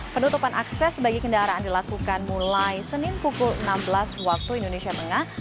penutupan akses bagi kendaraan dilakukan mulai senin pukul enam belas waktu indonesia tengah